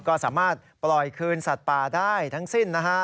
ก็สามารถปล่อยคืนสัตว์ป่าได้ทั้งสิ้นนะฮะ